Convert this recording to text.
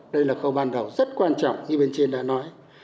đây là khâu ban đầu rất quan trọng như bên trên đã nói